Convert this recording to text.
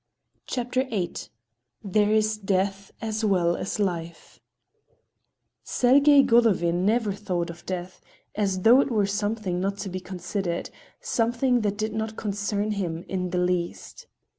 CHAPTER VIII THERE IS DEATH AS WELL AS LIFE Sergey Golovin never thought of death, as though it were something not to be considered, something that did not concern him in the least.